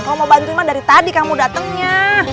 kau mau bantuin mah dari tadi kamu datengnya